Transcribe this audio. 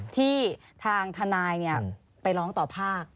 ที่ทางทนายไปร้องต่อภาค